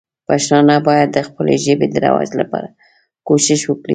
پښتانه باید د خپلې ژبې د رواج لپاره کوښښ وکړي.